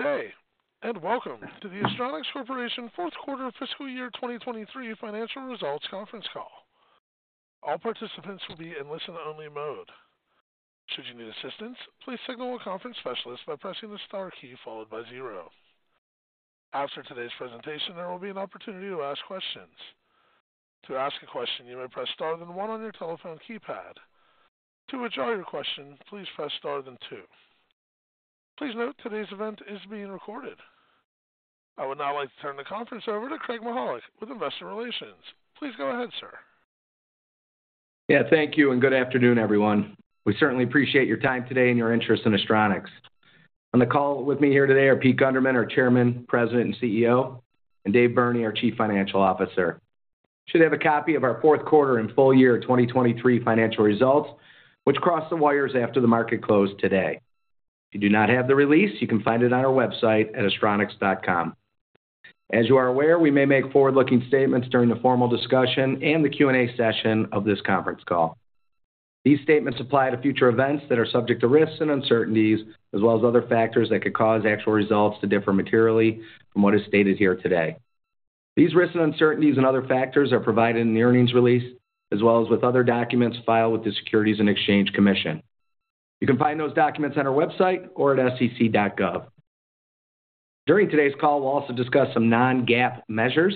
Good day, and welcome to the Astronics Corporation fourth quarter fiscal year 2023 financial results conference call. All participants will be in listen-only mode. Should you need assistance, please signal a conference specialist by pressing the star key followed by zero. After today's presentation, there will be an opportunity to ask questions. To ask a question, you may press Star then one on your telephone keypad. To withdraw your question, please press Star then two. Please note, today's event is being recorded. I would now like to turn the conference over to Craig Mychajluk with Investor Relations. Please go ahead, sir. Yeah, thank you, and good afternoon, everyone. We certainly appreciate your time today and your interest in Astronics. On the call with me here today are Pete Gundermann, our Chairman, President, and CEO, and Dave Burney, our Chief Financial Officer. You should have a copy of our fourth quarter and full year 2023 financial results, which crossed the wires after the market closed today. If you do not have the release, you can find it on our website at astronics.com. As you are aware, we may make forward-looking statements during the formal discussion and the Q&A session of this conference call. These statements apply to future events that are subject to risks and uncertainties, as well as other factors that could cause actual results to differ materially from what is stated here today. These risks and uncertainties and other factors are provided in the earnings release, as well as with other documents filed with the Securities and Exchange Commission. You can find those documents on our website or at SEC.gov. During today's call, we'll also discuss some non-GAAP measures.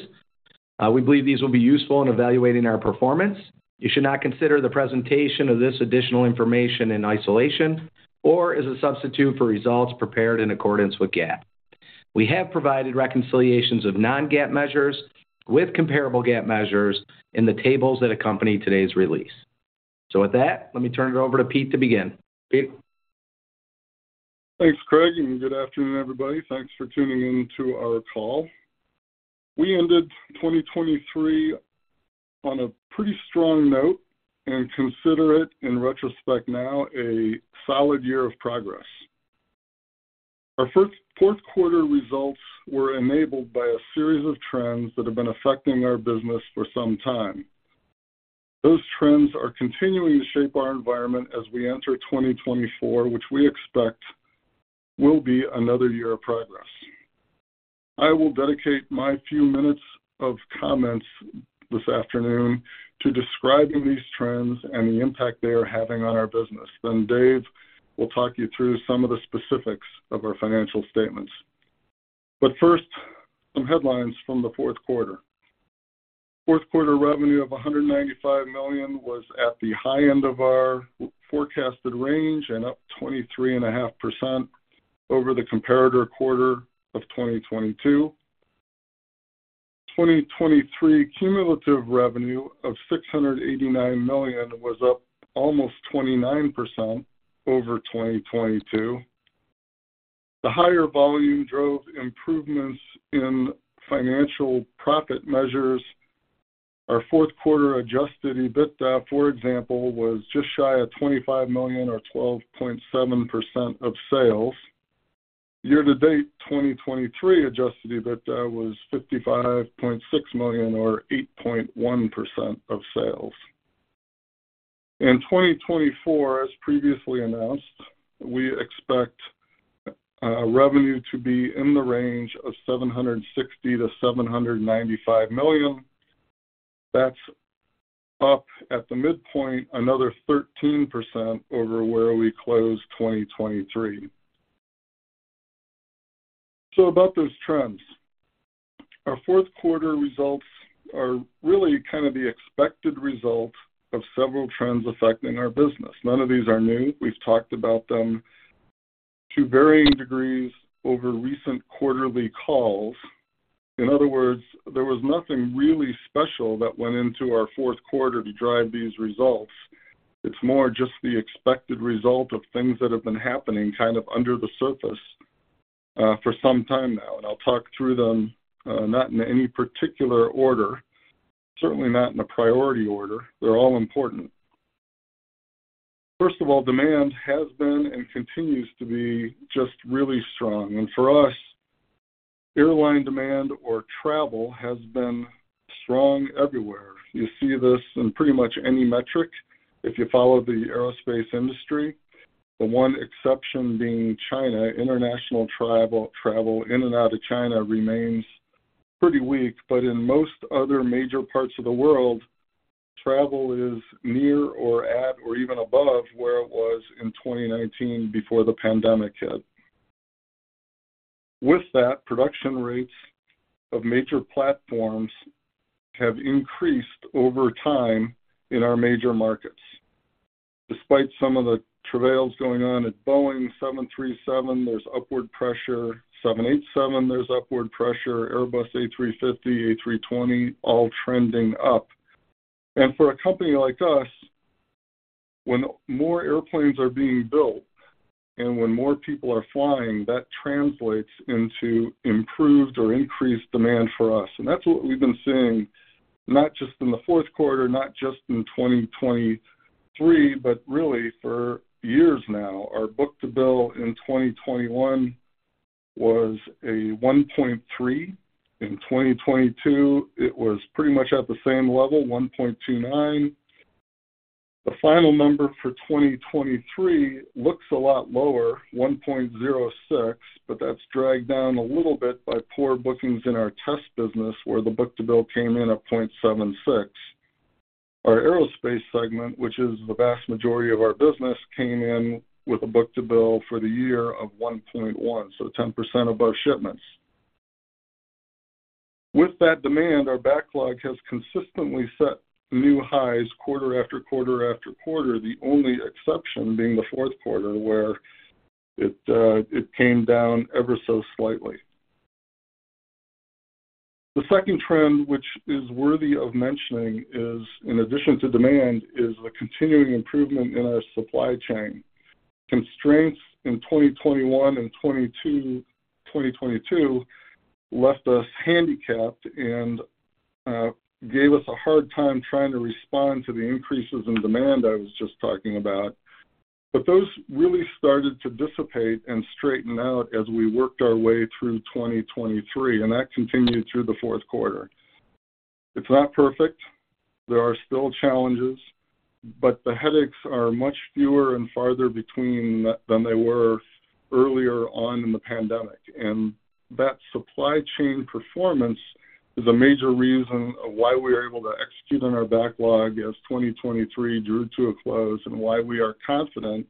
We believe these will be useful in evaluating our performance. You should not consider the presentation of this additional information in isolation or as a substitute for results prepared in accordance with GAAP. We have provided reconciliations of non-GAAP measures with comparable GAAP measures in the tables that accompany today's release. With that, let me turn it over to Pete to begin. Pete? Thanks, Craig, and good afternoon, everybody. Thanks for tuning in to our call. We ended 2023 on a pretty strong note and consider it, in retrospect now, a solid year of progress. Our fourth quarter results were enabled by a series of trends that have been affecting our business for some time. Those trends are continuing to shape our environment as we enter 2024, which we expect will be another year of progress. I will dedicate my few minutes of comments this afternoon to describing these trends and the impact they are having on our business. Then Dave will talk you through some of the specifics of our financial statements. But first, some headlines from the fourth quarter. Fourth quarter revenue of $195 million was at the high end of our forecasted range and up 23.5% over the comparator quarter of 2022. 2023 cumulative revenue of $689 million was up almost 29% over 2022. The higher volume drove improvements in financial profit measures. Our fourth quarter adjusted EBITDA, for example, was just shy of $25 million or 12.7% of sales. Year to date, 2023 adjusted EBITDA was $55.6 million or 8.1% of sales. In 2024, as previously announced, we expect revenue to be in the range of $760-$795 million. That's up at the midpoint, another 13% over where we closed 2023. So about those trends. Our fourth quarter results are really kind of the expected result of several trends affecting our business. None of these are new. We've talked about them to varying degrees over recent quarterly calls. In other words, there was nothing really special that went into our fourth quarter to drive these results. It's more just the expected result of things that have been happening kind of under the surface, for some time now, and I'll talk through them, not in any particular order, certainly not in a priority order. They're all important. First of all, demand has been and continues to be just really strong. For us, airline demand or travel has been strong everywhere. You see this in pretty much any metric if you follow the aerospace industry. The one exception being China. International travel, travel in and out of China remains pretty weak, but in most other major parts of the world, travel is near or at or even above where it was in 2019 before the pandemic hit. With that, production rates of major platforms have increased over time in our major markets. Despite some of the travails going on at Boeing 737, there's upward pressure. 787, there's upward pressure. Airbus A350, A320, all trending up. And for a company like us, when more airplanes are being built and when more people are flying, that translates into improved or increased demand for us. And that's what we've been seeing, not just in the fourth quarter, not just in 2023, but really for years now. Our book-to-bill in 2021 was a 1.3. In 2022, it was pretty much at the same level, 1.29. The final number for 2023 looks a lot lower, 1.06, but that's dragged down a little bit by poor bookings in our test business, where the book-to-bill came in at 0.76. Our aerospace segment, which is the vast majority of our business, came in with a book-to-bill for the year of 1.1, so 10% above shipments. With that demand, our backlog has consistently set new highs quarter after quarter after quarter. The only exception being the fourth quarter, where it came down ever so slightly. The second trend, which is worthy of mentioning, is in addition to demand, is the continuing improvement in our supply chain. Constraints in 2021 and 2022 left us handicapped and gave us a hard time trying to respond to the increases in demand I was just talking about. But those really started to dissipate and straighten out as we worked our way through 2023, and that continued through the fourth quarter. It's not perfect. There are still challenges, but the headaches are much fewer and farther between than they were earlier on in the pandemic. And that supply chain performance is a major reason of why we are able to execute on our backlog as 2023 drew to a close, and why we are confident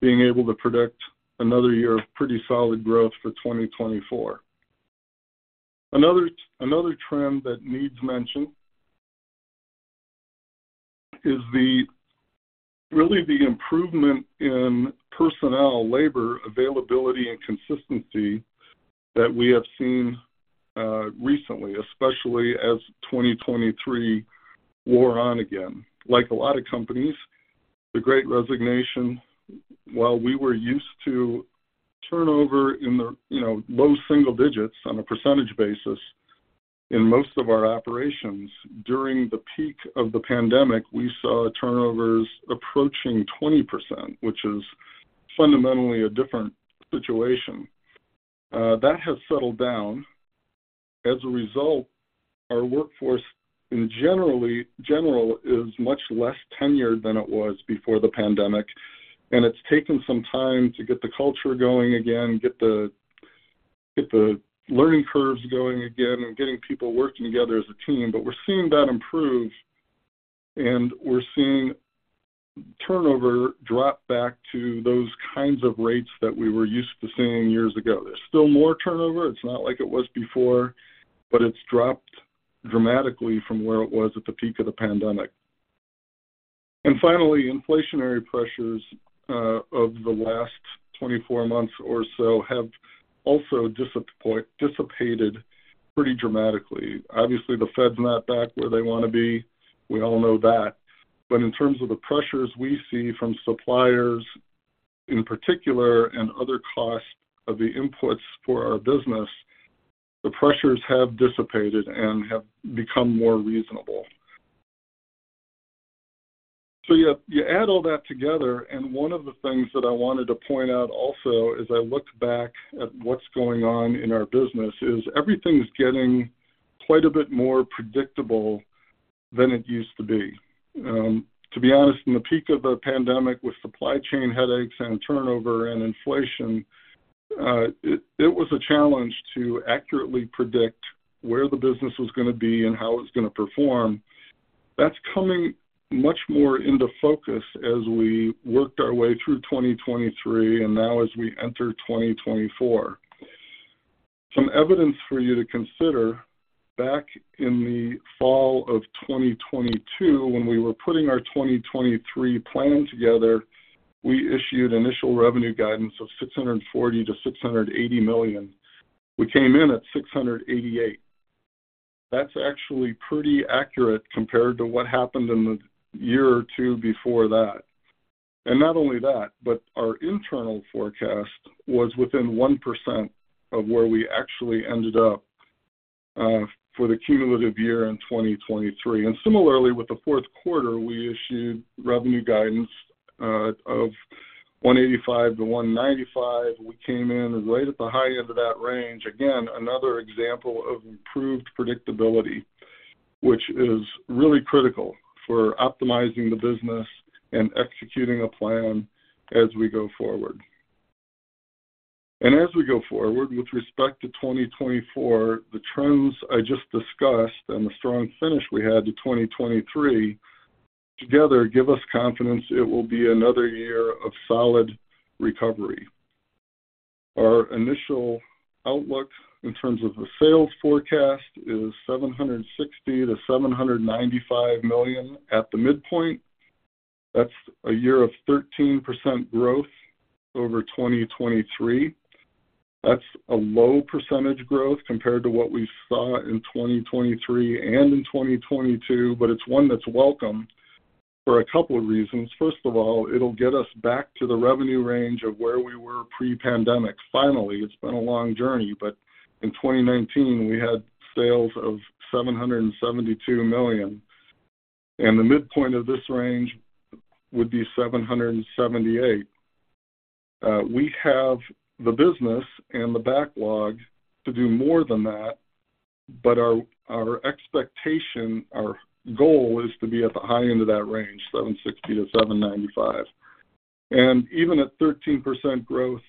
being able to predict another year of pretty solid growth for 2024. Another trend that needs mention is really the improvement in personnel, labor, availability, and consistency that we have seen recently, especially as 2023 wore on again. Like a lot of companies, the Great Resignation, while we were used to turnover in the, you know, low single digits on a percentage basis in most of our operations. During the peak of the pandemic, we saw turnovers approaching 20%, which is fundamentally a different situation. That has settled down. As a result, our workforce in general is much less tenured than it was before the pandemic, and it's taken some time to get the culture going again, get the learning curves going again and getting people working together as a team. But we're seeing that improve, and we're seeing turnover drop back to those kinds of rates that we were used to seeing years ago. There's still more turnover. It's not like it was before, but it's dropped dramatically from where it was at the peak of the pandemic. And finally, inflationary pressures of the last 24 months or so have also dissipated pretty dramatically. Obviously, the Fed's not back where they wanna be. We all know that. But in terms of the pressures we see from suppliers in particular and other costs of the inputs for our business, the pressures have dissipated and have become more reasonable. So you add all that together, and one of the things that I wanted to point out also as I look back at what's going on in our business, is everything is getting quite a bit more predictable than it used to be. To be honest, in the peak of the pandemic, with supply chain headaches and turnover and inflation, it was a challenge to accurately predict where the business was gonna be and how it was gonna perform. That's coming much more into focus as we worked our way through 2023 and now as we enter 2024. Some evidence for you to consider. Back in the fall of 2022, when we were putting our 2023 plan together, we issued initial revenue guidance of $640-$680 million. We came in at $688 million. That's actually pretty accurate compared to what happened in the year or two before that. Not only that, but our internal forecast was within 1% of where we actually ended up for the cumulative year in 2023. Similarly, with the fourth quarter, we issued revenue guidance of $185-$195 million. We came in right at the high end of that range. Again, another example of improved predictability, which is really critical for optimizing the business and executing a plan as we go forward. As we go forward with respect to 2024, the trends I just discussed and the strong finish we had to 2023, together, give us confidence it will be another year of solid recovery. Our initial outlook in terms of the sales forecast is $760 million-$795 million at the midpoint. That's a year of 13% growth over 2023. That's a low percentage growth compared to what we saw in 2023 and in 2022, but it's one that's welcome for a couple of reasons. First of all, it'll get us back to the revenue range of where we were pre-pandemic. Finally, it's been a long journey, but in 2019, we had sales of $772 million, and the midpoint of this range would be $778 million. We have the business and the backlog to do more than that, but our expectation, our goal is to be at the high end of that range, $760-$795 million. And even at 13% growth,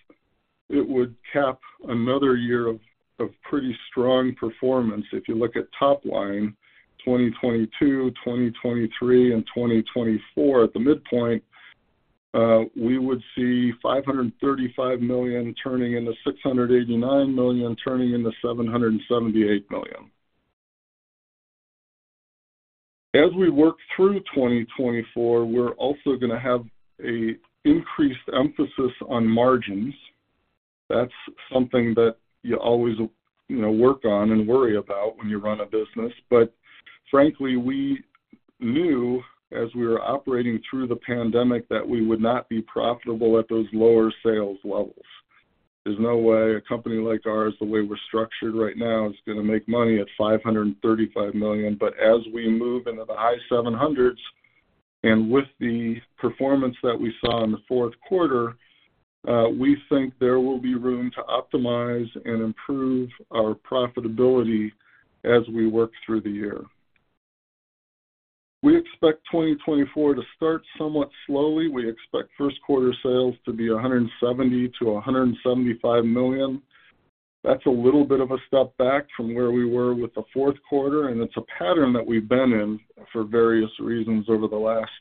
it would cap another year of pretty strong performance. If you look at top line, 2022, 2023, and 2024, at the midpoint, we would see $535 million turning into $689 million, turning into $778 million. As we work through 2024, we're also gonna have an increased emphasis on margins. That's something that you always, you know, work on and worry about when you run a business. But frankly, we knew as we were operating through the pandemic, that we would not be profitable at those lower sales levels. There's no way a company like ours, the way we're structured right now, is gonna make money at $535 million. But as we move into the high 700s, and with the performance that we saw in the fourth quarter, we think there will be room to optimize and improve our profitability as we work through the year. We expect 2024 to start somewhat slowly. We expect first quarter sales to be $170-$175 million. That's a little bit of a step back from where we were with the fourth quarter, and it's a pattern that we've been in for various reasons over the last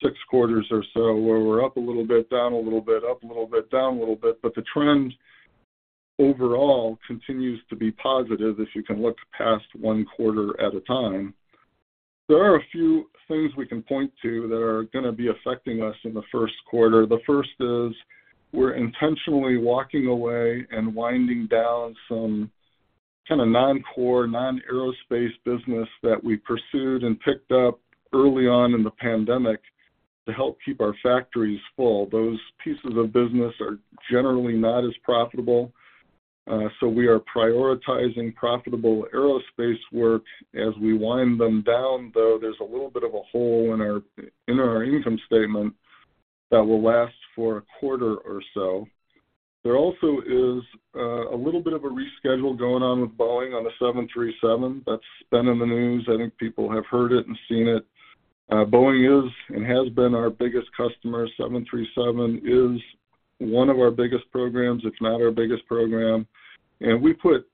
six quarters or so, where we're up a little bit, down a little bit, up a little bit, down a little bit, but the trend overall continues to be positive if you can look past one quarter at a time. There are a few things we can point to that are gonna be affecting us in the first quarter. The first is, we're intentionally walking away and winding down some kind of non-core, non-aerospace business that we pursued and picked up early on in the pandemic to help keep our factories full. Those pieces of business are generally not as profitable, so we are prioritizing profitable aerospace work. As we wind them down, though, there's a little bit of a hole in our income statement that will last for a quarter or so. There also is, a little bit of a reschedule going on with Boeing on the 737. That's been in the news. I think people have heard it and seen it. Boeing is and has been our biggest customer. 737 is one of our biggest programs. It's not our biggest program, and we put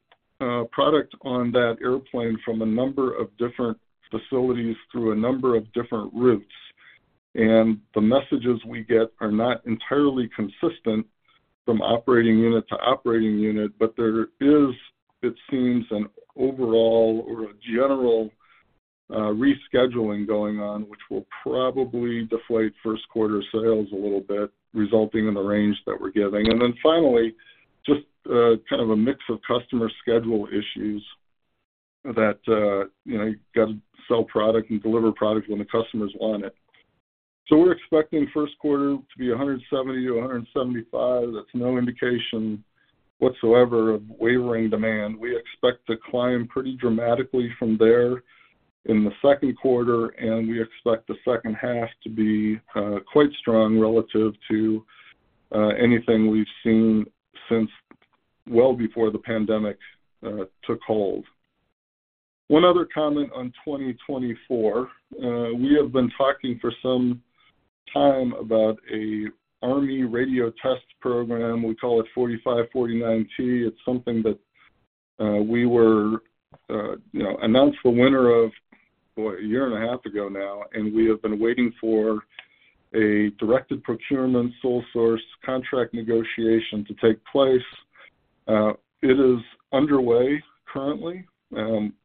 product on that airplane from a number of different facilities through a number of different routes, and the messages we get are not entirely consistent from operating unit to operating unit, but there is, it seems, an overall or a general rescheduling going on, which will probably deflate first quarter sales a little bit, resulting in the range that we're giving. And then finally, just kind of a mix of customer schedule issues that you know, you got to sell product and deliver product when the customers want it. So we're expecting first quarter to be $170-$175. That's no indication whatsoever of wavering demand. We expect to climb pretty dramatically from there in the second quarter, and we expect the second half to be quite strong relative to anything we've seen since well before the pandemic took hold. One other comment on 2024. We have been talking for some time about an Army radio test program. We call it 4549T. It's something that we were, you know, announced the winner of, what? A year and a half ago now, and we have been waiting for a directed procurement, sole source contract negotiation to take place. It is underway currently.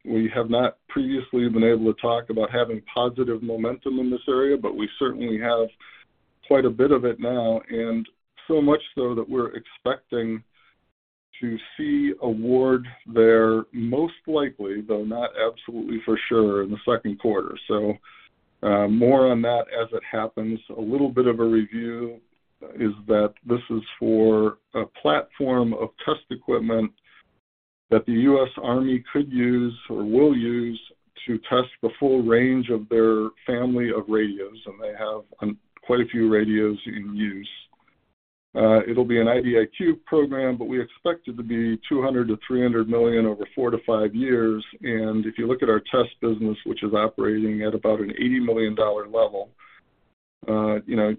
We have not previously been able to talk about having positive momentum in this area, but we certainly have quite a bit of it now, and so much so that we're expecting to see awards there, most likely, though not absolutely for sure, in the second quarter. More on that as it happens. A little bit of a review is that this is for a platform of test equipment that the U.S. Army could use or will use to test the full range of their family of radios, and they have quite a few radios in use. It'll be an IDIQ program, but we expect it to be $200-$300 million over 4-5 years. If you look at our test business, which is operating at about a $80 million level, you know,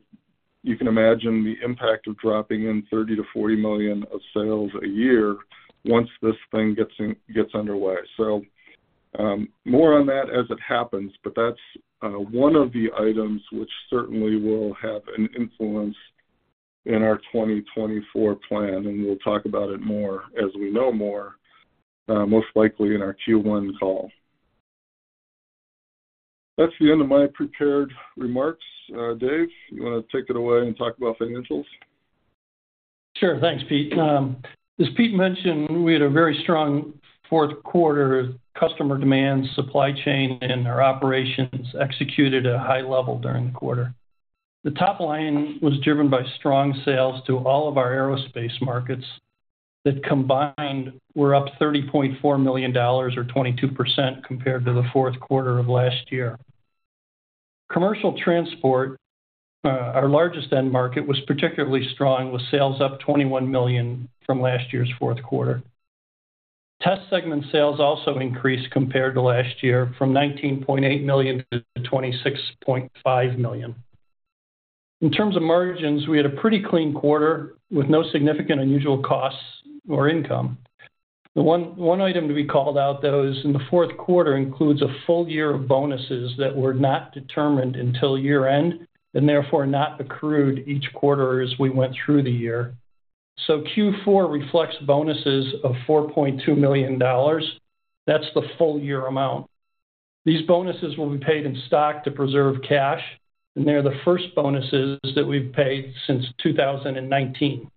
you can imagine the impact of dropping in $30-$40 million of sales a year once this thing gets underway. So, more on that as it happens, but that's one of the items which certainly will have an influence in our 2024 plan, and we'll talk about it more as we know more, most likely in our Q1 call. That's the end of my prepared remarks. Dave, you want to take it away and talk about financials? Sure. Thanks, Pete. As Pete mentioned, we had a very strong fourth quarter. Customer demand, supply chain, and our operations executed a high level during the quarter. The top line was driven by strong sales to all of our aerospace markets that combined were up $30.4 million or 22% compared to the fourth quarter of last year. Commercial transport, our largest end market, was particularly strong, with sales up $21 million from last year's fourth quarter. Test segment sales also increased compared to last year from $19.8-$26.5 million. In terms of margins, we had a pretty clean quarter with no significant unusual costs or income. The one item to be called out, though, is in the fourth quarter, includes a full year of bonuses that were not determined until year-end, and therefore not accrued each quarter as we went through the year. So Q4 reflects bonuses of $4.2 million. That's the full year amount. These bonuses will be paid in stock to preserve cash, and they're the first bonuses that we've paid since 2019.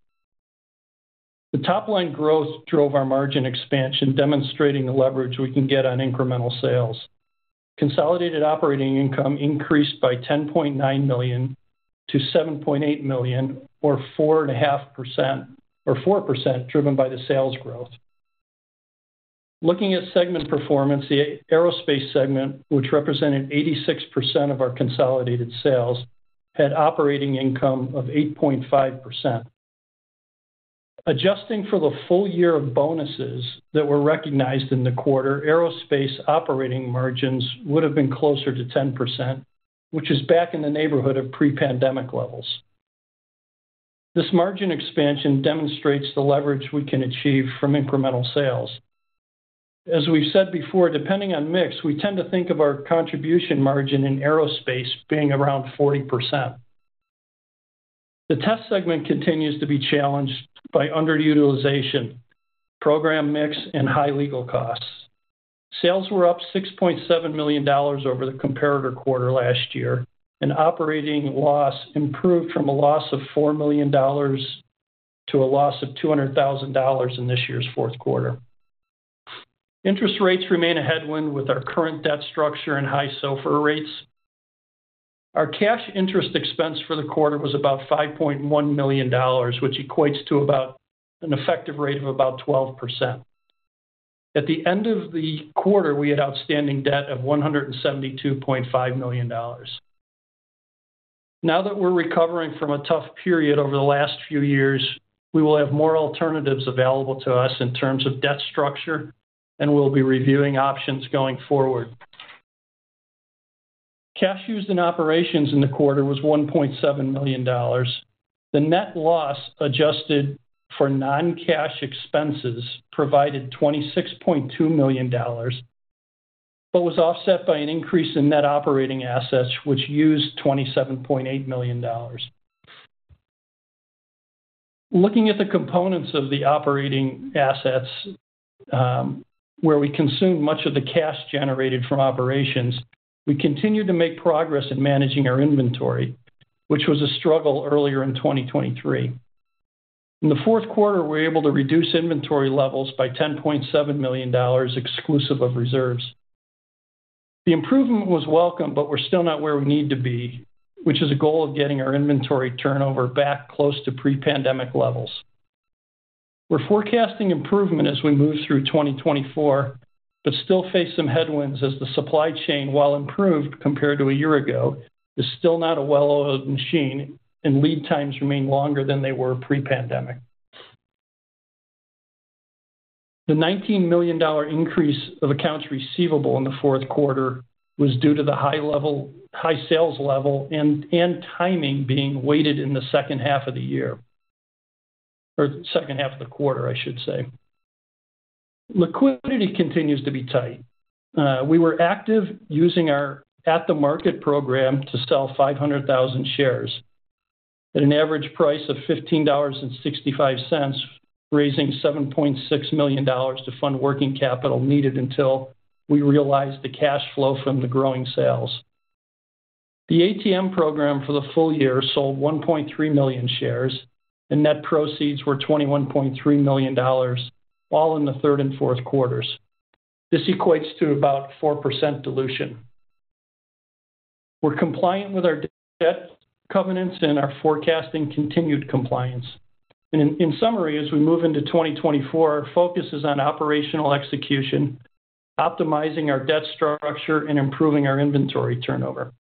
The top-line growth drove our margin expansion, demonstrating the leverage we can get on incremental sales. Consolidated operating income increased by $10.9 million to $7.8 million, or 4.5% or 4%, driven by the sales growth. Looking at segment performance, the Aerospace segment, which represented 86% of our consolidated sales, had operating income of 8.5%. Adjusting for the full year of bonuses that were recognized in the quarter, Aerospace operating margins would have been closer to 10%, which is back in the neighborhood of pre-pandemic levels. This margin expansion demonstrates the leverage we can achieve from incremental sales. As we've said before, depending on mix, we tend to think of our contribution margin in Aerospace being around 40%. The Test segment continues to be challenged by underutilization, program mix, and high legal costs. Sales were up $6.7 million over the comparator quarter last year, and operating loss improved from a loss of $4 million to a loss of $200,000 in this year's fourth quarter. Interest rates remain a headwind with our current debt structure and high SOFR rates. Our cash interest expense for the quarter was about $5.1 million, which equates to about an effective rate of about 12%. At the end of the quarter, we had outstanding debt of $172.5 million. Now that we're recovering from a tough period over the last few years, we will have more alternatives available to us in terms of debt structure, and we'll be reviewing options going forward. Cash used in operations in the quarter was $1.7 million. The net loss, adjusted for non-cash expenses, provided $26.2 million, but was offset by an increase in net operating assets, which used $27.8 million. Looking at the components of the operating assets, where we consumed much of the cash generated from operations, we continued to make progress in managing our inventory, which was a struggle earlier in 2023. In the fourth quarter, we were able to reduce inventory levels by $10.7 million, exclusive of reserves. The improvement was welcome, but we're still not where we need to be, which is a goal of getting our inventory turnover back close to pre-pandemic levels. We're forecasting improvement as we move through 2024, but still face some headwinds as the supply chain, while improved compared to a year ago, is still not a well-oiled machine, and lead times remain longer than they were pre-pandemic. The $19 million increase of accounts receivable in the fourth quarter was due to the high sales level and timing being weighted in the second half of the year, or second half of the quarter, I should say. Liquidity continues to be tight. We were active using our at-the-market program to sell 500,000 shares at an average price of $15.65, raising $7.6 million to fund working capital needed until we realized the cash flow from the growing sales. The ATM program for the full year sold 1.3 million shares, and net proceeds were $21.3 million, all in the third and fourth quarters. This equates to about 4% dilution. We're compliant with our debt covenants and are forecasting continued compliance. And in summary, as we move into 2024, our focus is on operational execution, optimizing our debt structure, and improving our inventory turnover.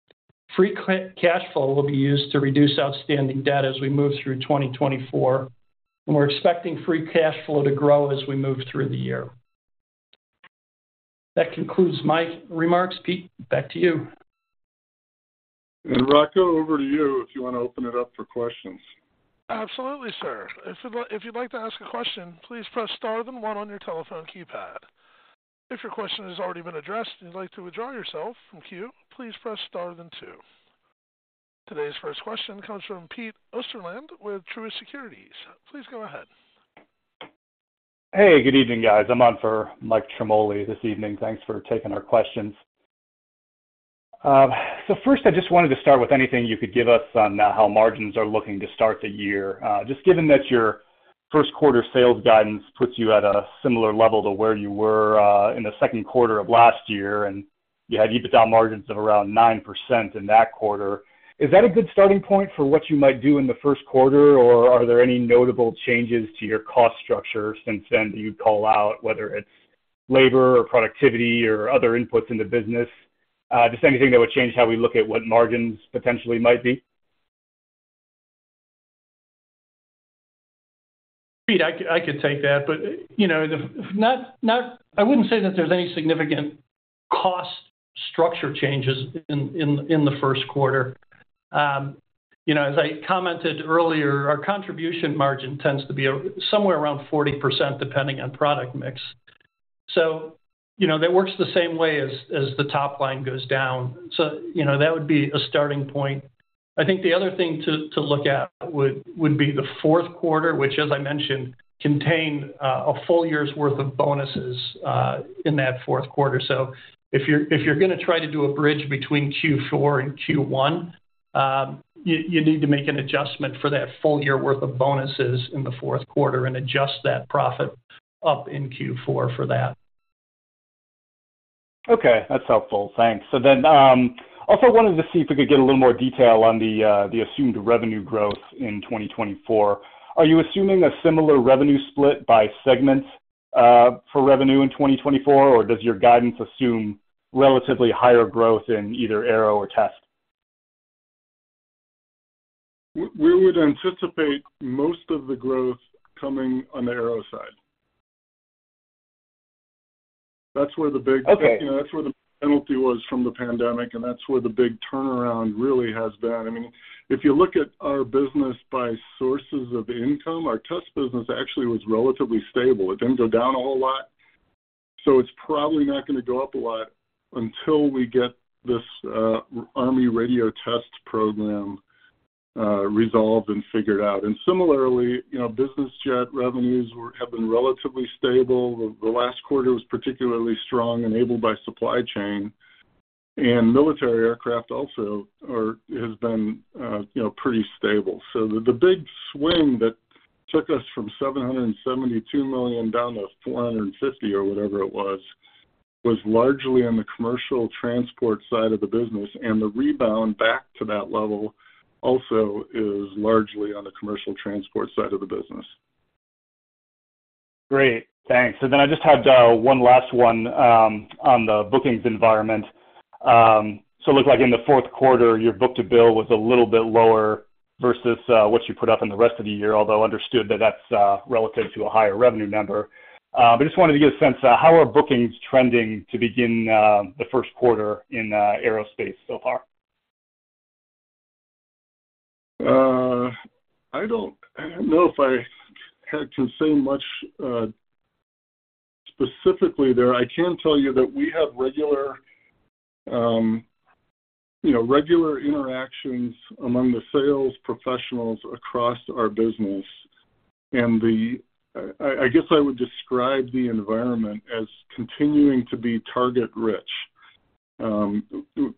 Free cash flow will be used to reduce outstanding debt as we move through 2024, and we're expecting free cash flow to grow as we move through the year. That concludes my remarks. Pete, back to you. Rocco, over to you if you want to open it up for questions. Absolutely, sir. If you'd like, if you'd like to ask a question, please press star, then one on your telephone keypad. If your question has already been addressed and you'd like to withdraw yourself from queue, please press star, then two. Today's first question comes from Pete Osterland with Truist Securities. Please go ahead. Hey, good evening, guys. I'm on for Mike Ciarmoli this evening. Thanks for taking our questions. So first, I just wanted to start with anything you could give us on how margins are looking to start the year. Just given that your first quarter sales guidance puts you at a similar level to where you were in the second quarter of last year, and you had EBITDA margins of around 9% in that quarter. Is that a good starting point for what you might do in the first quarter, or are there any notable changes to your cost structure since then that you'd call out, whether it's labor or productivity or other inputs in the business? Just anything that would change how we look at what margins potentially might be? Pete, I could take that, but, you know, I wouldn't say that there's any significant cost structure changes in the first quarter. You know, as I commented earlier, our contribution margin tends to be somewhere around 40%, depending on product mix. So, you know, that works the same way as the top line goes down. So, you know, that would be a starting point. I think the other thing to look at would be the fourth quarter, which, as I mentioned, contained a full year's worth of bonuses in that fourth quarter. So if you're gonna try to do a bridge between Q4 and Q1, you need to make an adjustment for that full year worth of bonuses in the fourth quarter and adjust that profit up in Q4 for that. Okay, that's helpful. Thanks. So then, also wanted to see if we could get a little more detail on the assumed revenue growth in 2024. Are you assuming a similar revenue split by segment, for revenue in 2024, or does your guidance assume relatively higher growth in either aero or test? We would anticipate most of the growth coming on the aero side. That's where the big- Okay. You know, that's where the penalty was from the pandemic, and that's where the big turnaround really has been. I mean, if you look at our business by sources of income, our test business actually was relatively stable. It didn't go down a whole lot, so it's probably not gonna go up a lot until we get this Army radio test program resolved and figured out. And similarly, you know, business jet revenues have been relatively stable. The last quarter was particularly strong, enabled by supply chain, and military aircraft also has been, you know, pretty stable. So the big swing that took us from $772 million down to $450 million, or whatever it was, was largely on the commercial transport side of the business, and the rebound back to that level also is largely on the commercial transport side of the business. Great, thanks. And then I just had one last one on the bookings environment. So it looked like in the fourth quarter, your book-to-bill was a little bit lower versus what you put up in the rest of the year, although understood that that's relative to a higher revenue number. But just wanted to get a sense how are bookings trending to begin the first quarter in aerospace so far? I don't know if I had to say much, specifically there. I can tell you that we have regular, you know, regular interactions among the sales professionals across our business, and the I guess I would describe the environment as continuing to be target rich.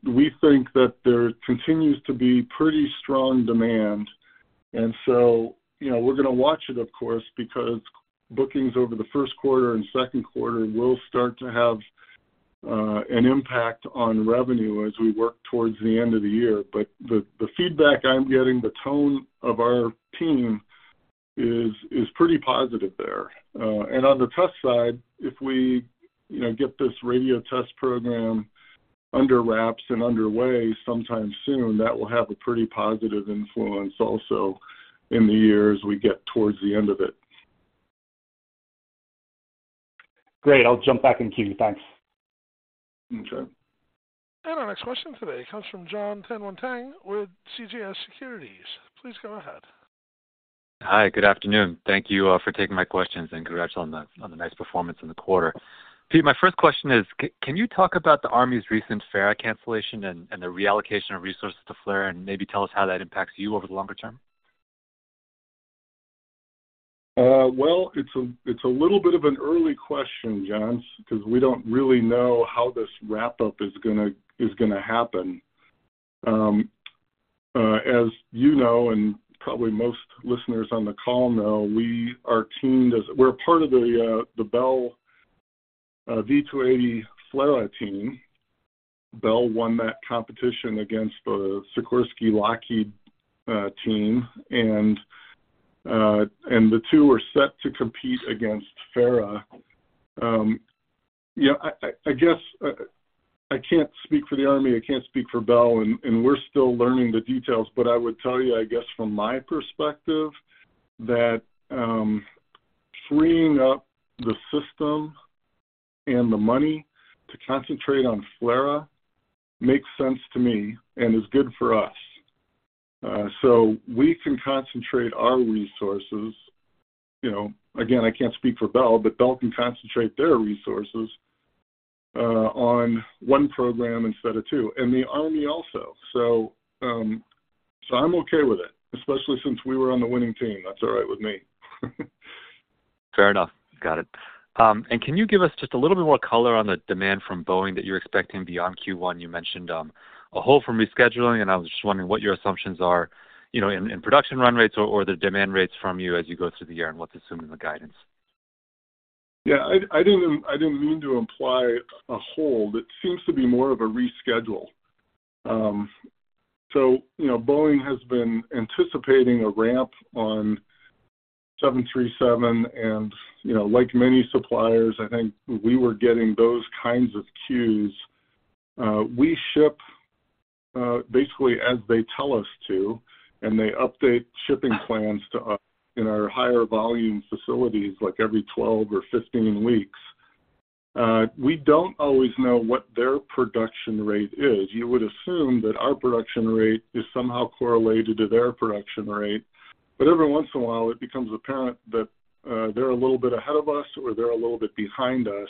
We think that there continues to be pretty strong demand, and so, you know, we're gonna watch it, of course, because bookings over the first quarter and second quarter will start to have an impact on revenue as we work towards the end of the year. But the feedback I'm getting, the tone of our team is pretty positive there. On the test side, if we, you know, get this radio test program under wraps and underway sometime soon, that will have a pretty positive influence also in the year as we get towards the end of it. Great. I'll jump back in queue. Thanks. Okay. Our next question today comes from Jon Tanwanteng with CJS Securities. Please go ahead. Hi, good afternoon. Thank you for taking my questions, and congrats on the nice performance in the quarter. Pete, my first question is, can you talk about the Army's recent FARA cancellation and the reallocation of resources to FLRAA, and maybe tell us how that impacts you over the longer term? Well, it's a little bit of an early question, Jon, because we don't really know how this wrap-up is gonna happen. As you know, and probably most listeners on the call know, we're part of the Bell V-280 FLRAA team. Bell won that competition against the Sikorsky Lockheed team, and the two are set to compete against FARA. Yeah, I guess I can't speak for the Army, I can't speak for Bell, and we're still learning the details, but I would tell you, I guess from my perspective, that freeing up the system and the money to concentrate on FLRAA makes sense to me and is good for us. So we can concentrate our resources. You know, again, I can't speak for Bell, but Bell can concentrate their resources on one program instead of two, and the Army also. So, so I'm okay with it, especially since we were on the winning team. That's all right with me. Fair enough. Got it. Can you give us just a little bit more color on the demand from Boeing that you're expecting beyond Q1? You mentioned a hold from rescheduling, and I was just wondering what your assumptions are, you know, in production run rates or the demand rates from you as you go through the year and what's assumed in the guidance. Yeah, I didn't mean to imply a hold. It seems to be more of a reschedule. So, you know, Boeing has been anticipating a ramp on 737, and, you know, like many suppliers, I think we were getting those kinds of cues. We ship basically as they tell us to, and they update shipping plans to us in our higher volume facilities like every 12 or 15 weeks. We don't always know what their production rate is. You would assume that our production rate is somehow correlated to their production rate, but every once in a while, it becomes apparent that they're a little bit ahead of us or they're a little bit behind us.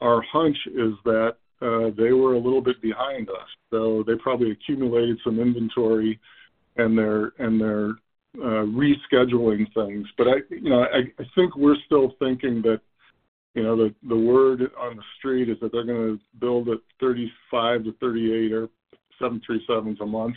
Our hunch is that they were a little bit behind us, so they probably accumulated some inventory, and they're rescheduling things. But, you know, I think we're still thinking that, you know, the word on the street is that they're gonna build 35-38 737s a month.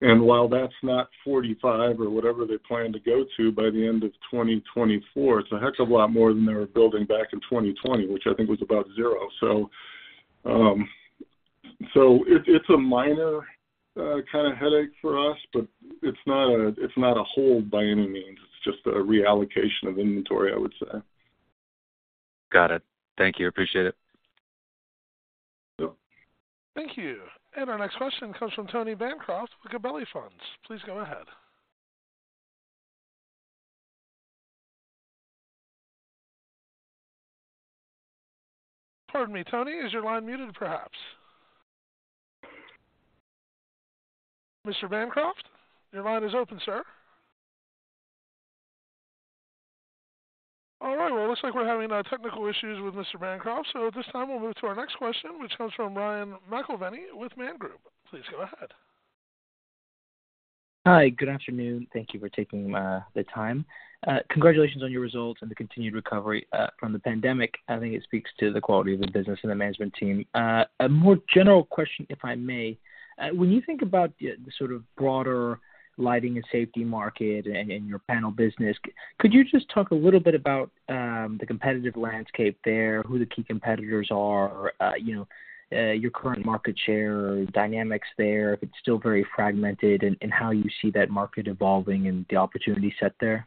And while that's not 45 or whatever they plan to go to by the end of 2024, it's a heck of a lot more than they were building back in 2020, which I think was about zero. So it's a minor kind of headache for us, but it's not a hold by any means. It's just a reallocation of inventory, I would say. Got it. Thank you. Appreciate it. Yep. Thank you. Our next question comes from Tony Bancroft with Gabelli Funds. Please go ahead. Pardon me, Tony, is your line muted perhaps? Mr. Bancroft, your line is open, sir. All right, well, it looks like we're having technical issues with Mr. Bancroft, so at this time we'll move to our next question, which comes from Ryan McElvenny with Man Group. Please go ahead. Hi, good afternoon. Thank you for taking the time. Congratulations on your results and the continued recovery from the pandemic. I think it speaks to the quality of the business and the management team. A more general question, if I may. When you think about the sort of broader lighting and safety market and your panel business, could you just talk a little bit about the competitive landscape there, who the key competitors are, or you know your current market share or dynamics there, if it's still very fragmented, and how you see that market evolving and the opportunity set there?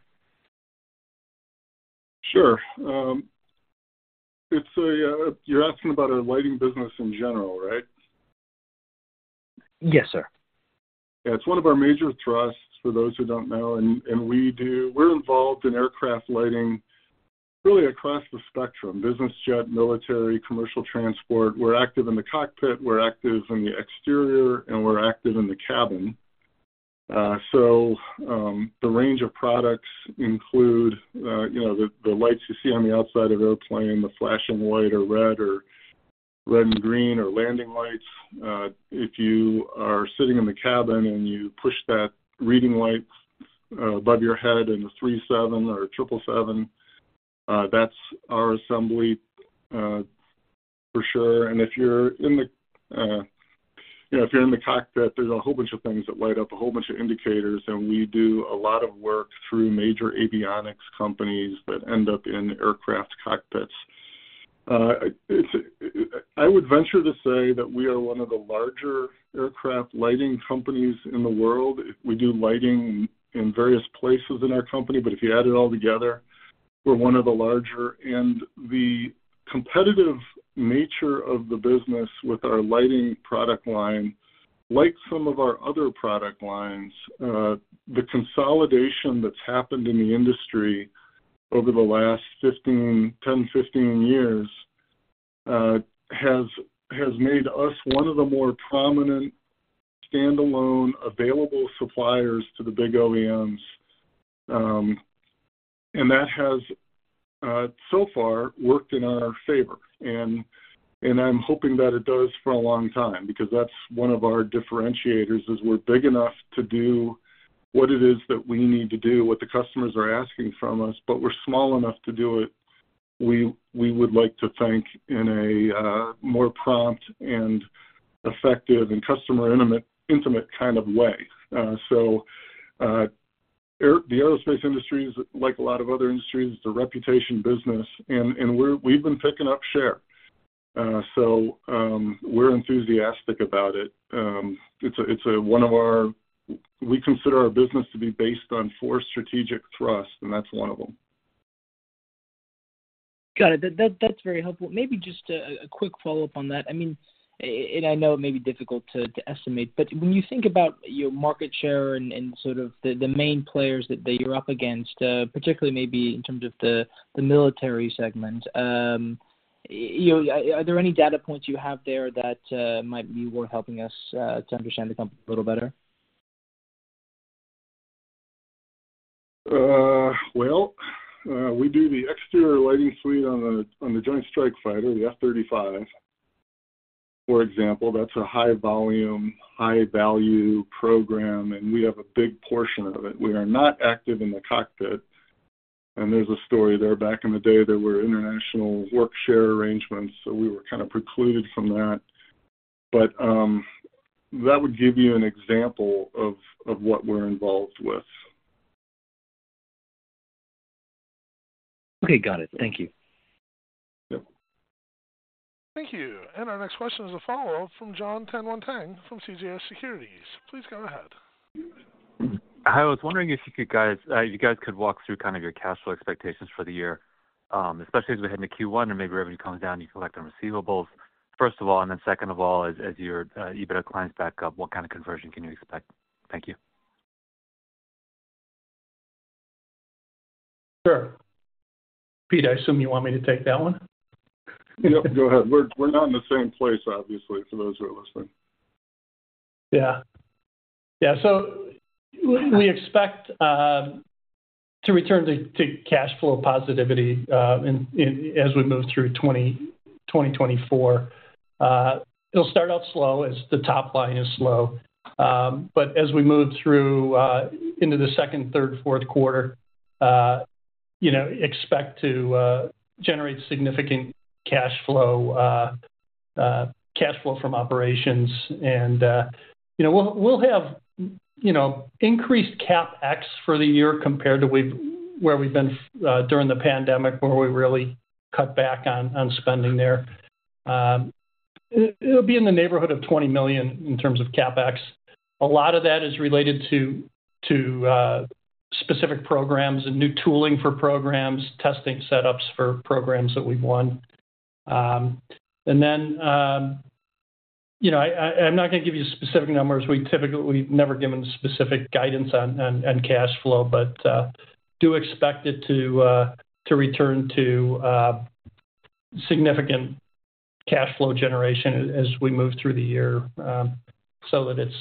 Sure. It's you're asking about our lighting business in general, right? Yes, sir. Yeah, it's one of our major thrusts for those who don't know, and we're involved in aircraft lighting really across the spectrum, business jet, military, commercial transport. We're active in the cockpit, we're active in the exterior, and we're active in the cabin. So, the range of products include, you know, the lights you see on the outside of the airplane, the flashing white or red, or red and green, or landing lights. If you are sitting in the cabin and you push that reading light above your head in a 737 or a 777, that's our assembly, for sure. And if you're in the, you know, if you're in the cockpit, there's a whole bunch of things that light up, a whole bunch of indicators, and we do a lot of work through major avionics companies that end up in aircraft cockpits. It's. I would venture to say that we are one of the larger aircraft lighting companies in the world. We do lighting in various places in our company, but if you add it all together, we're one of the larger. And the competitive nature of the business with our lighting product line, like some of our other product lines, the consolidation that's happened in the industry over the last 15, 10, 15 years, has made us one of the more prominent standalone available suppliers to the big OEMs. And that has so far worked in our favor. I'm hoping that it does for a long time because that's one of our differentiators, is we're big enough to do what it is that we need to do, what the customers are asking from us, but we're small enough to do it, we would like to think, in a more prompt and effective and customer intimate kind of way. So, the aerospace industry is, like a lot of other industries, a reputation business, and we've been picking up share. So, we're enthusiastic about it. It's one of our, we consider our business to be based on four strategic thrusts, and that's one of them. Got it. That's very helpful. Maybe just a quick follow-up on that. I mean, I know it may be difficult to estimate, but when you think about your market share and sort of the main players that you're up against, particularly maybe in terms of the military segment, you know, are there any data points you have there that might be worth helping us to understand the company a little better? Well, we do the exterior lighting suite on the Joint Strike Fighter, the F-35, for example. That's a high volume, high value program, and we have a big portion of it. We are not active in the cockpit, and there's a story there. Back in the day, there were international work share arrangements, so we were kind of precluded from that. But that would give you an example of what we're involved with. Okay, got it. Thank you. Yep. Thank you. And our next question is a follow-up from Jon Tanwanteng from CJS Securities. Please go ahead. I was wondering if you guys could walk through kind of your cash flow expectations for the year, especially as we head into Q1 and maybe revenue comes down, you collect on receivables, first of all, and then second of all, as your EBITDA clients back up, what kind of conversion can you expect? Thank you. Sure. Pete, I assume you want me to take that one? Yep, go ahead. We're not in the same place, obviously, for those who are listening. Yeah. Yeah, so we expect to return to cash flow positivity as we move through 2024. It'll start out slow as the top line is slow. But as we move through into the second, third, fourth quarter, you know, expect to generate significant cash flow, cash flow from operations. And you know, we'll have increased CapEx for the year compared to where we've been during the pandemic, where we really cut back on spending there. It'll be in the neighborhood of $20 million in terms of CapEx. A lot of that is related to specific programs and new tooling for programs, testing setups for programs that we've won. And then, you know, I'm not gonna give you specific numbers. We typically, we've never given specific guidance on cash flow, but do expect it to return to significant cash flow generation as we move through the year. So that it's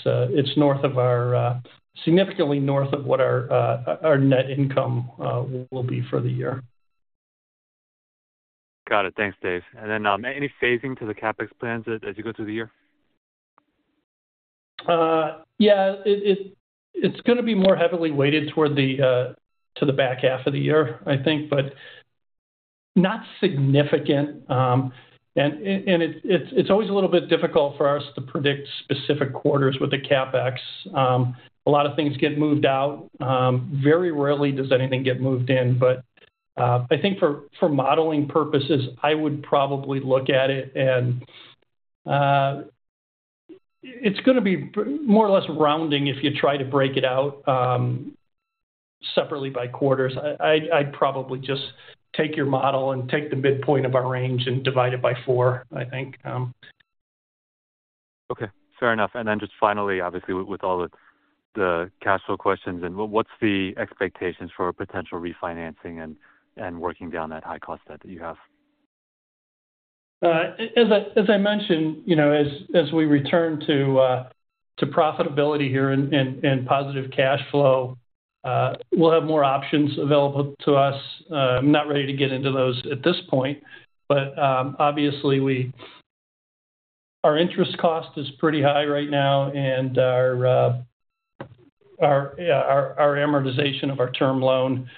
significantly north of what our net income will be for the year. Got it. Thanks, Dave. Any phasing to the CapEx plans as you go through the year? Yeah, it's gonna be more heavily weighted toward the back half of the year, I think, but not significant. It's always a little bit difficult for us to predict specific quarters with the CapEx. A lot of things get moved out. Very rarely does anything get moved in, but I think for modeling purposes, I would probably look at it. It's gonna be more or less rounding if you try to break it out separately by quarters. I'd probably just take your model and take the midpoint of our range and divide it by four, I think. Okay, fair enough. And then just finally, obviously, with all the cash flow questions, and what's the expectations for potential refinancing and working down that high cost debt that you have? As I mentioned, you know, as we return to profitability here and positive cash flow, we'll have more options available to us. I'm not ready to get into those at this point, but obviously, our interest cost is pretty high right now, and our amortization of our term loan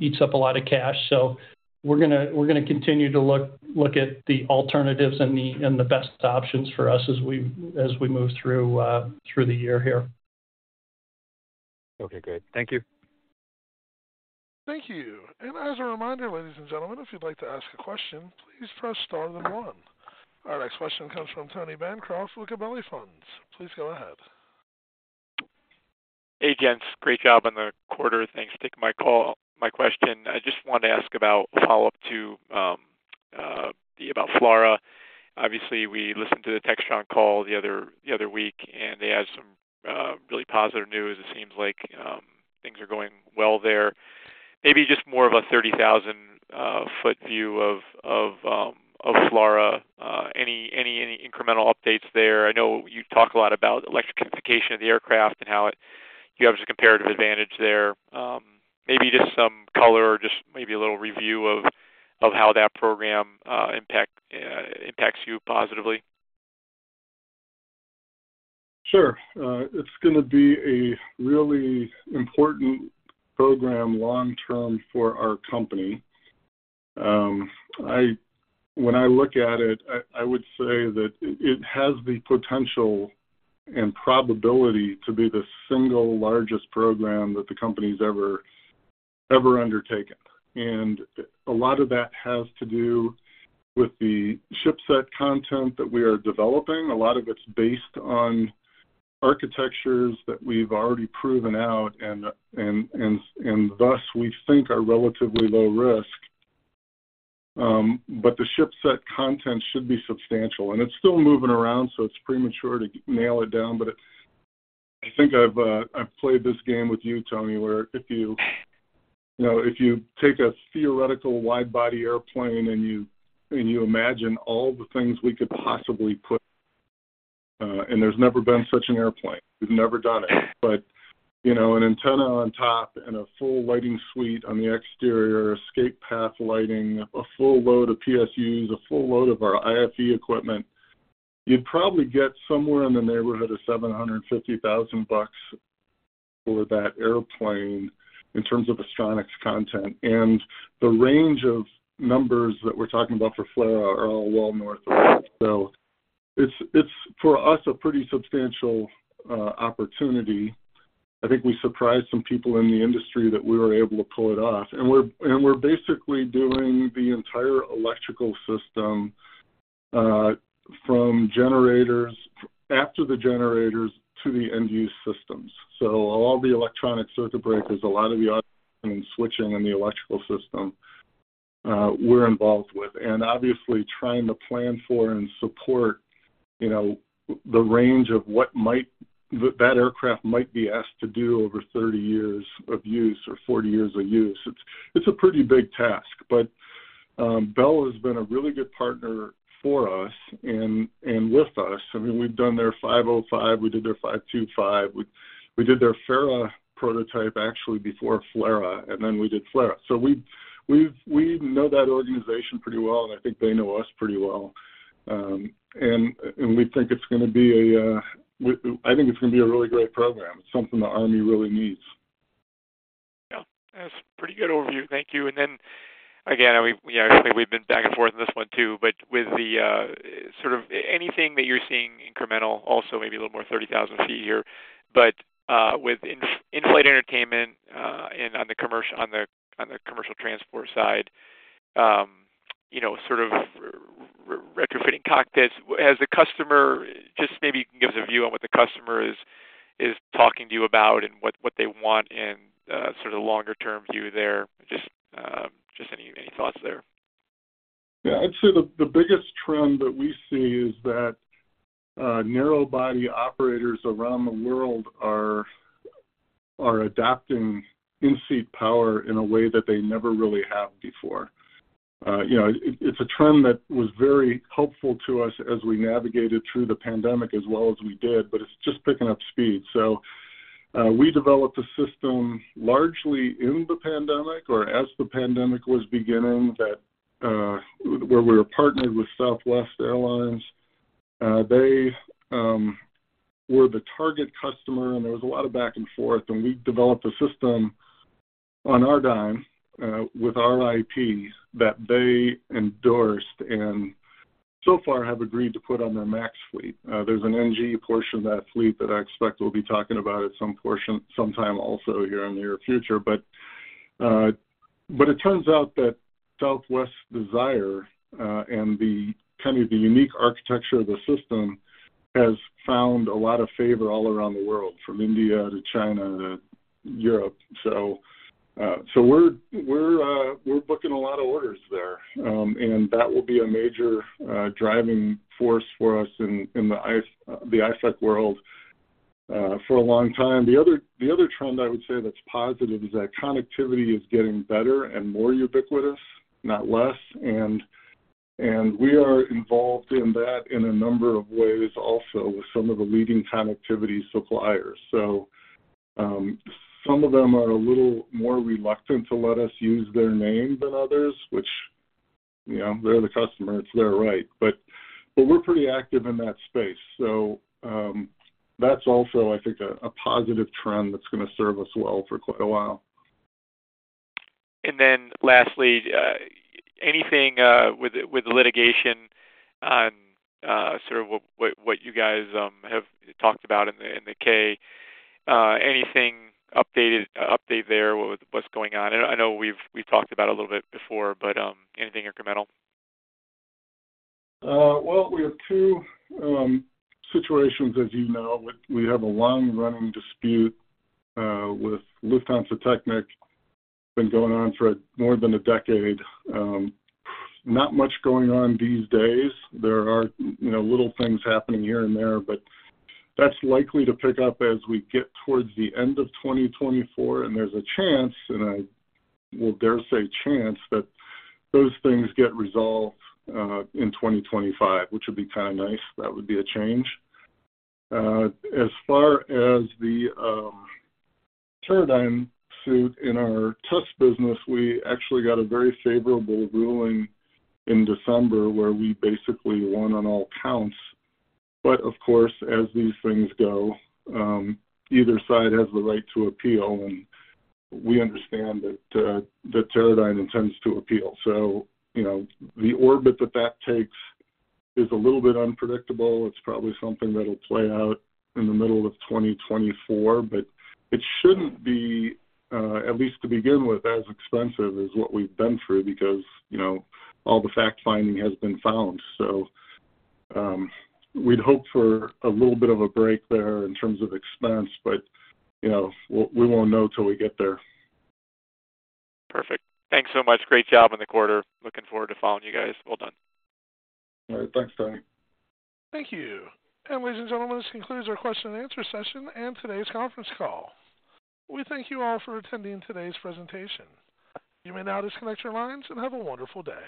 eats up a lot of cash. So we're gonna continue to look at the alternatives and the best options for us as we move through the year here. Okay, great. Thank you. Thank you. As a reminder, ladies and gentlemen, if you'd like to ask a question, please press star then one. Our next question comes from Tony Bancroft with Gabelli Funds. Please go ahead. Hey, gents. Great job on the quarter. Thanks for taking my call. My question, I just wanted to ask about a follow-up to about FLRAA. Obviously, we listened to the Textron call the other week, and they had some really positive news. It seems like things are going well there. Maybe just more of a 30,000-foot view of FLRAA. Any incremental updates there? I know you talk a lot about electrification of the aircraft and how it. You have a comparative advantage there. Maybe just some color or just maybe a little review of how that program impacts you positively. Sure. It's gonna be a really important program long term for our company. When I look at it, I would say that it has the potential and probability to be the single largest program that the company's ever undertaken. And a lot of that has to do with the ship set content that we are developing. A lot of it's based on architectures that we've already proven out and thus, we think are relatively low risk. But the ship set content should be substantial, and it's still moving around, so it's premature to nail it down. But I think I've played this game with you, Tony, where if you, you know, if you take a theoretical wide body airplane and you imagine all the things we could possibly put, and there's never been such an airplane. We've never done it. But, you know, an antenna on top and a full lighting suite on the exterior, escape path lighting, a full load of PSUs, a full load of our IFE equipment, you'd probably get somewhere in the neighborhood of $750,000 for that airplane in terms of Astronics content. And the range of numbers that we're talking about for FLRAA are all well north of that. So it's for us a pretty substantial opportunity. I think we surprised some people in the industry that we were able to pull it off. We're basically doing the entire electrical system, from generators, after the generators to the end-use systems. So all the electronic circuit breakers, a lot of the automation and switching in the electrical system, we're involved with. Obviously, trying to plan for and support, you know, the range of what that aircraft might be asked to do over 30 years of use or 40 years of use. It's a pretty big task, but Bell has been a really good partner for us and with us. I mean, we've done their 505, we did their 525. We did their FARA prototype actually before FLRAA, and then we did FLRAA. So we know that organization pretty well, and I think they know us pretty well. I think it's gonna be a really great program. It's something the army really needs. Yeah, that's a pretty good overview. Thank you. And then, again, we, you know, we've been back and forth on this one, too, but with the, sort of anything that you're seeing incremental, also, maybe a little more 30,000 feet here, but, with in-flight entertainment, and on the commercial, on the, on the commercial transport side, you know, sort of retrofitting cockpits, has the customer. Just maybe you can give us a view on what the customer is talking to you about and what, what they want and, sort of longer-term view there. Just, just any, any thoughts there? Yeah. I'd say the biggest trend that we see is that narrow body operators around the world are adopting in-seat power in a way that they never really have before. You know, it's a trend that was very helpful to us as we navigated through the pandemic as well as we did, but it's just picking up speed. We developed a system largely in the pandemic or as the pandemic was beginning, where we were partnered with Southwest Airlines. They were the target customer, and there was a lot of back and forth, and we developed a system on our dime, with our IT, that they endorsed and so far have agreed to put on their MAX fleet. There's an NG portion of that fleet that I expect we'll be talking about at some sometime also here in the near future. But it turns out that Southwest's desire and the kind of unique architecture of the system has found a lot of favor all around the world, from India to China to Europe. So we're booking a lot of orders there. And that will be a major driving force for us in the IFEC world for a long time. The other trend I would say that's positive is that connectivity is getting better and more ubiquitous, not less, and we are involved in that in a number of ways also with some of the leading connectivity suppliers. So, some of them are a little more reluctant to let us use their name than others, which, you know, they're the customer, it's their right. But, we're pretty active in that space, so, that's also, I think, a positive trend that's gonna serve us well for quite a while. And then lastly, anything with litigation on sort of what you guys have talked about in the K? Anything updated there with what's going on? I know we've talked about a little bit before, but anything incremental? Well, we have two situations, as you know. We have a long-running dispute with Lufthansa Technik, been going on for more than a decade. Not much going on these days. There are, you know, little things happening here and there, but that's likely to pick up as we get towards the end of 2024. And there's a chance, and I will dare say chance, that those things get resolved in 2025, which would be kind of nice. That would be a change. As far as the Teradyne suit in our test business, we actually got a very favorable ruling in December, where we basically won on all counts. But of course, as these things go, either side has the right to appeal, and we understand that that Teradyne intends to appeal. So, you know, the orbit that that takes is a little bit unpredictable. It's probably something that'll play out in the middle of 2024, but it shouldn't be, at least to begin with, as expensive as what we've been through because, you know, all the fact-finding has been found. So, we'd hope for a little bit of a break there in terms of expense, but, you know, we won't know till we get there. Perfect. Thanks so much. Great job in the quarter. Looking forward to following you guys. Well done. All right. Thanks, Tony. Thank you. Ladies and gentlemen, this concludes our question and answer session and today's conference call. We thank you all for attending today's presentation. You may now disconnect your lines, and have a wonderful day.